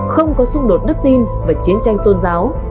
không có xung đột đức tin và chiến tranh tôn giáo